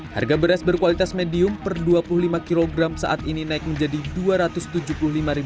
harga beras berkualitas medium per dua puluh lima kilogram saat ini naik menjadi rp dua ratus tujuh puluh lima dari sebelumnya rp dua ratus empat puluh